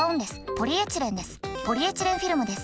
ポリエチレンフィルムです。